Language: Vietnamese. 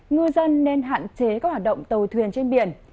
ngư dân nên hạn chế các hoạt động tàu thuyền trên biển